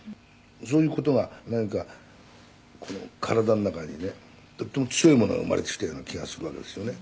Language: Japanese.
「そういう事がなんかこの体の中にねとっても強いものが生まれてきたような気がするわけですよね